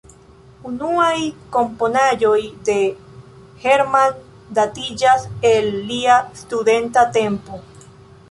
Unuaj komponaĵoj de Hermann datiĝas de lia studenta tempo.